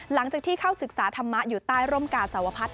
หลังจากที่เข้าศึกษาธรรมะอยู่ใต้ร่มกาสวพัฒน์